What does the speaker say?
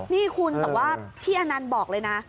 นี่คุณแต่ว่าพี่อนันต์บอกเลยนะ